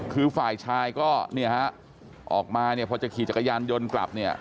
คือฝ่ายชายก็ออกมาพอจะขี่จักรยานยนต์กลับ